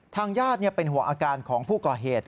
ทางญาติเป็นห่วงอาการของผู้ก่อเหตุ